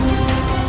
aku akan menang